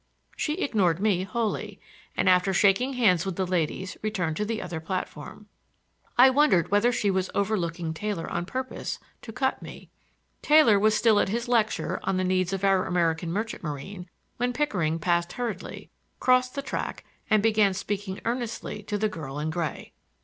She ignored me wholly, and after shaking hands with the ladies returned to the other platform. I wondered whether she was overlooking Taylor on purpose to cut me. Taylor was still at his lecture on the needs of our American merchant marine when Pickering passed hurriedly, crossed the track and began speaking earnestly to the girl in gray.